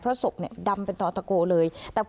อันดับที่สุดท้าย